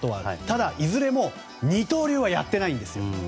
ただ、いずれも二刀流はやってないんですよ。